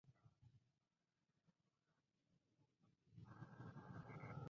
Viendo este acto, Venom hace la paz con Spider-Man.